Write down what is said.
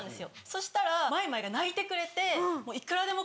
そしたらまいまいが泣いてくれて。